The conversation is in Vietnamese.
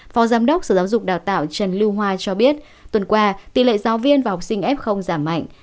phó giám đốc sở giáo dục đào tạo trần lưu hoa cho biết tuần qua tỷ lệ giáo viên và học sinh f giảm mạnh